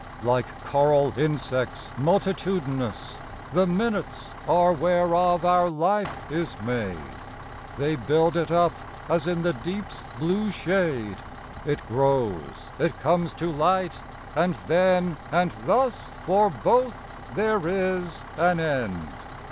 IKE coral insects multitudinous The minutes are whereof our life is made. They build it up as in the deep's blue shade It grows, it comes to light, and then, and thus For both there is an end.